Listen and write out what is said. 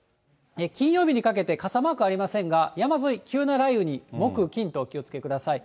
金曜日にかけて、傘マークありませんが、山沿い、急な雷雨に木、金とお気をつけください。